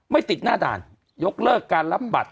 ไม่ติดหน้าด่านยกเลิกการรับบัตร